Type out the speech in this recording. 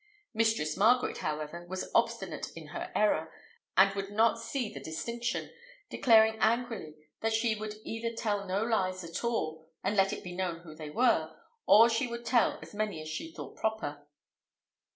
Mistress Margaret, however, was obstinate in her error, and would not see the distinction, declaring angrily that she would either tell no lies at all, and let it be known who they were, or she would tell as many as she thought proper.